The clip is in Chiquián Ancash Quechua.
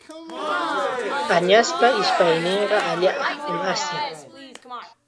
Añaspa ishpayninmi allaapa asyan.